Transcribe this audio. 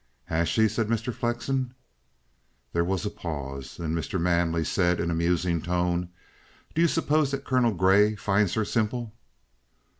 "Has she?" said Mr. Flexen. There was a pause. Then Mr. Manley said in a musing tone: "Do you suppose that Colonel Grey finds her simple?"